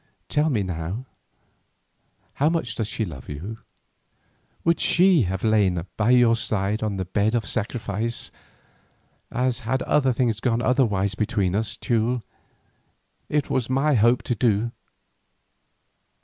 Tell me now, how much does she love you? Would she have lain by your side on the bed of sacrifice as, had things gone otherwise between us, Teule, it was my hope to do?"